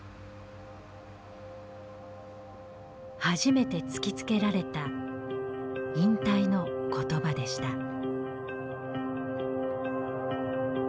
初めて突きつけられた「引退」の言葉でした。